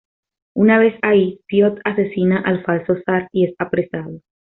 Una vez ahí, Piotr asesina al falso zar, y es apresado.